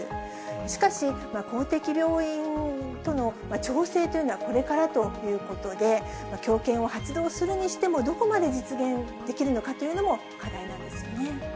しかし、公的病院との調整というのは、これからということで、強権を発動するにしても、どこまで実現できるのかというのも課題なんですよね。